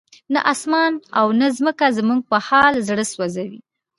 نه اسمان او نه ځمکه زموږ په حال زړه سوځوي.